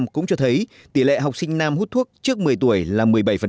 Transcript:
cũng cho thấy tỷ lệ học sinh nam hút thuốc trước một mươi tuổi là một mươi bảy